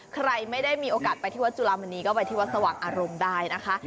ใครไม่ได้มีโอกาสไปที่วัดจุลามณีก็ไปที่วัดสว่างอารมณ์ได้นะคะ